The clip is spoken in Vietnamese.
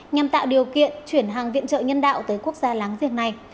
nhằm tạo điều kiện chuyển hàng viện trợ nhân đạo tới quốc gia láng giềng này